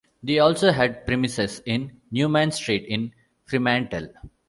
They also had premises in Newman Street in Fremantle.